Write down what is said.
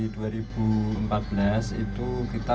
itu kita membuat radio